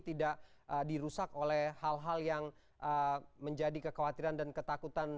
tidak dirusak oleh hal hal yang menjadi kekhawatiran dan ketakutan